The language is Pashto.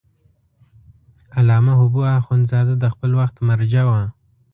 علامه حبو اخند زاده د خپل وخت مرجع و.